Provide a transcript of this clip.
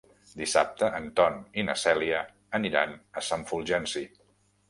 Dissabte en Ton i na Cèlia aniran a Sant Fulgenci.